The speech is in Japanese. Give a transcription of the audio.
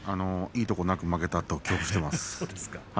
いいところなく負けたと記憶しています。